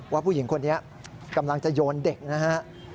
ว่าผู้หญิงคนนี้กำลังจะโยนเด็กนะฮะ